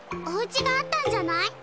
おうちがあったんじゃない？